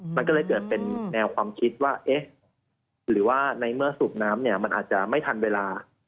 มันก็เลยเกิดเป็นแนวความคิดว่าเอ๊ะหรือว่าในเมื่อสูบน้ำเนี่ยมันอาจจะไม่ทันเวลา